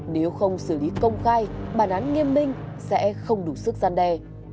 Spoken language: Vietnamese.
nếu không xử lý công khai bản án nghiêm minh sẽ không đủ sức gian đe